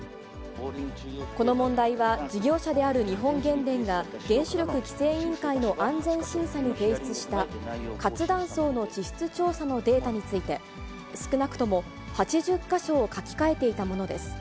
この問題は、事業者である日本原電が、原子力規制委員会の安全審査に提出した、活断層の地質調査のデータについて、少なくとも８０か所を書き換えていたものです。